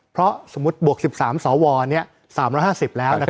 เพราะสมมุติบวกสิบสามสอวรเนี้ยสามร้อยห้าสิบแล้วนะครับ